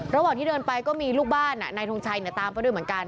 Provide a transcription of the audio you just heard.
ระหว่างที่เดินไปก็มีลูกบ้านนายทงชัยตามไปด้วยเหมือนกัน